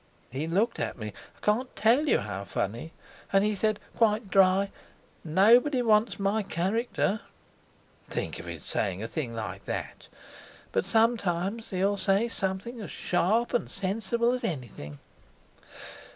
He looked at me, I can't tell you how funny, and he said quite dry: 'Nobody wants my character.' Think of his saying a thing like that! But sometimes he'll say something as sharp and sensible as anything."